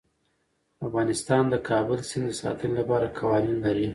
افغانستان د د کابل سیند د ساتنې لپاره قوانین لري.